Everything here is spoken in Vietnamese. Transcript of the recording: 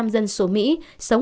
bảy mươi dân số mỹ sống